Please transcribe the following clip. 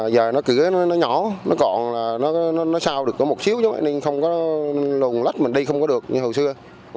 giờ nó cứ nhỏ nó còn là nó sao được có một xíu chứ không có lùng lắt mình đi không có được như hồi xưa